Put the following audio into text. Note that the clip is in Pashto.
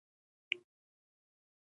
آيا د الله له دين پرته كوم بل څه لټوي،